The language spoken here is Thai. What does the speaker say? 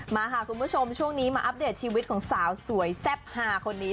มาค่ะคุณผู้ชมช่วงนี้มาอัปเดตชีวิตของสาวสวยแซ่บหาคนนี้